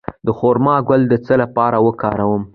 د خرما ګل د څه لپاره وکاروم؟